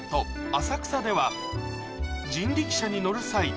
浅草では人力車に乗る際